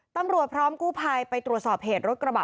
ตำรวจพร้อมกุภายไปตรวจสอบเหตุรถกระบะ